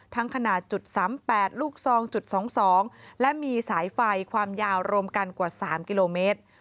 ทั้งขนาด๓๘ลูกซองจุด๒๒และมีสายไฟความยาวรวมกันกว่า๓กิโลเมตร